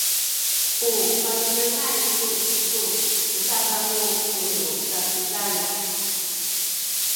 u matinengay tu kisu musakamu tunu Sakizaya